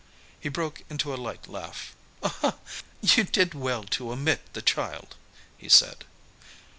He broke into a light laugh. "You did well to omit the child," he said.